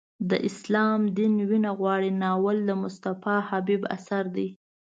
د اسلام دین وینه غواړي ناول د مصطفی خبیب اثر دی.